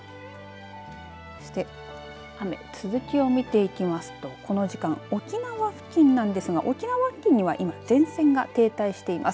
そして雨続きを見ていきますとこの時間沖縄県なんですが沖縄付近には今、前線が停滞しています。